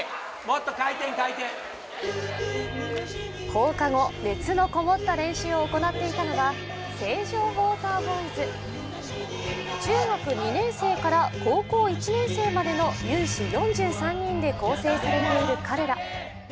放課後、熱のこもった練習を行っていたのは成城ウォーターボーイズ、中学２年生から高校１年生までの有志４３人で構成されている彼ら。